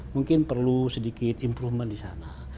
mungkin perlu sedikit improvement di sana